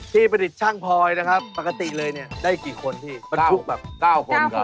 คุณจะเชื่อดาราหรือคุณเชื่อตัวเอง